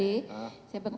ya semuanya ya